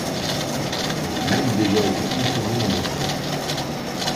Elle a même déjà été enfermée dans un sac.